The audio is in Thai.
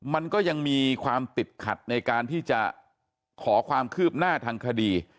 มันก็ยังมีความติดขัดในการที่จะขอความคืบหน้าทางคดี